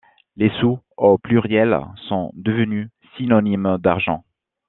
Les sous, au pluriel, sont devenus synonyme d'argent.